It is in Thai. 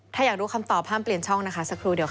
ถ้าอยากรู้คำตอบห้ามเปลี่ยนช่องนะคะสักครู่เดี๋ยวค่ะ